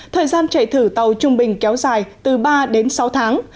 thời gian chạy thử tàu trung bình kéo dài từ ba đến sáu tháng